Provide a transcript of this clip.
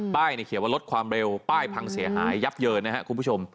ป้ายเนี่ยเขียวว่ารถความเร็วป้ายพังเสียหายยับเยินนะฮะคุณผู้ชม